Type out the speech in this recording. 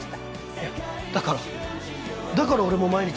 いやだからだから俺も毎日バイトを。